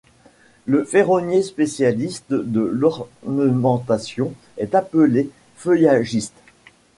Le ferronnier spécialiste de l'ornementation est appelé feuillagiste.